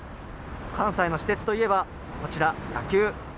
関西の私鉄といえば、こちら、野球。